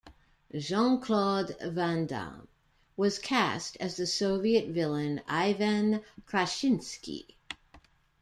Jean-Claude Van Damme was cast as the Soviet villain Ivan Kraschinsky.